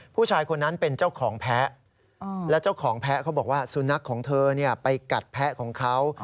ผู้ชายคนนั้นเป็นเจ้าของแพ้และเจ้าของแพ้เขาบอกว่าสุนัขของเธอไปกัดแพ้ของเขา